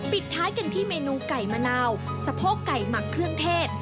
ปิดท้ายกันที่เมนูไก่มะนาวสะโพกไก่หมักเครื่องเทศ